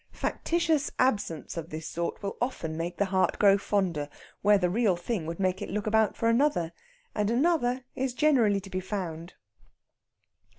Factitious absence of this sort will often make the heart grow fonder, where the real thing would make it look about for another; and another is generally to be found.